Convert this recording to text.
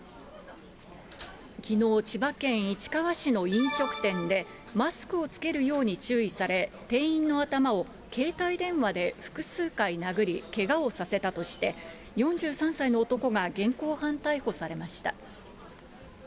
きのう千葉県市川市の飲食店で、マスクを着けるよう注意され、店員の頭を携帯電話で複数回殴り、けがさせたとして、４３歳の男が現行犯逮捕されました。